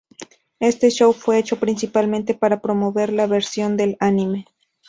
Este show fue hecho principalmente para promover la versión del anime.